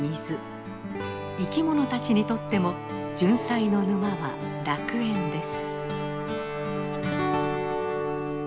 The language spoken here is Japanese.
生きものたちにとってもジュンサイの沼は楽園です。